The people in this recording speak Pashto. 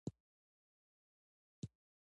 ښارونه د افغانستان د اقلیم ځانګړتیا ده.